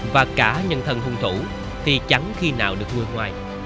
và cả nhân thân hung thủ thì chẳng khi nào được người ngoài